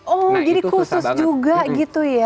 oh jadi khusus juga gitu ya